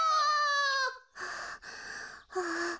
はあはあ。